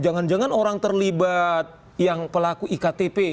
jangan jangan orang terlibat yang pelaku iktp